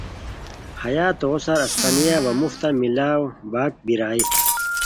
ہیا توغو سار اسقانیہ وا مفتہ ملاؤ باک بیرائے